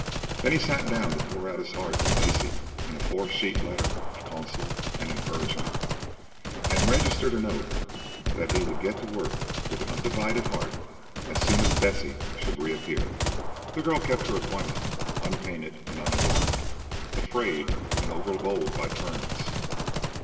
Then he sat down to pour out his heart to Maisie in a four sheet letter of counsel and encouragement, and registered an oath that he would get to work with an undivided heart as soon as Bessie should reappear. The girl kept her appointment unpainted and unadorned, afraid and overbold by turns.